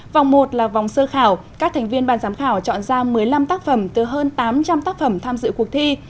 vòng một là vòng sơ khảo các thành viên ban giám khảo chọn ra một mươi năm tác phẩm từ hơn tám trăm linh tác phẩm tham dự cuộc thi